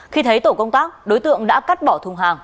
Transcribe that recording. khi thấy tổ công tác đối tượng đã cắt bỏ thùng hàng